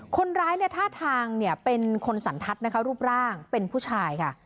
คนร้ายเนี่ยท่าทางเนี่ยเป็นคนสันทัศน์นะคะรูปร่างเป็นผู้ชายค่ะ